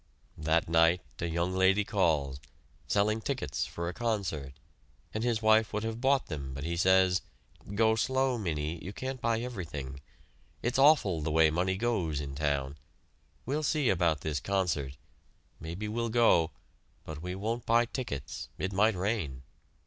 That night a young lady calls, selling tickets for a concert, and his wife would have bought them, but he says: "Go slow, Minnie, you can't buy everything. It's awful the way money goes in town. We'll see about this concert maybe we'll go, but we won't buy tickets it might rain!"